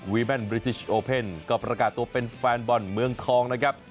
แมนบริจิชโอเพ่นก็ประกาศตัวเป็นแฟนบอลเมืองทองนะครับ